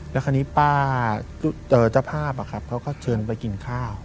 แล้วคราวนี้ป้าเจอเจ้าภาพเขาก็เชิญไปกินข้าว